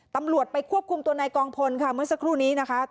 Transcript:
ตำรวจไปควบคุมตัวนายกองพลค่ะเมื่อสักครู่นี้นะคะ